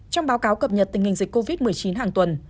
trong báo cáo cập nhật tình hình dịch covid một mươi chín hàng tuần